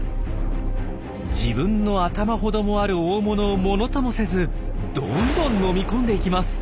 自分の頭ほどもある大物をものともせずどんどん飲み込んでいきます。